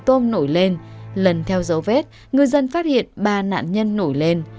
tôm nổi lên lần theo dấu vết ngư dân phát hiện ba nạn nhân nổi lên